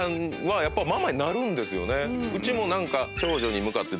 うちも。